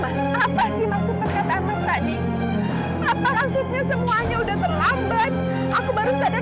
apa yang mas wisnu tau tentang mas prabu tapi aku gak tau